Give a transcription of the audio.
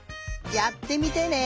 やってみてね！